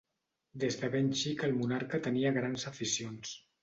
Des de ben xic el monarca tenia grans aficions.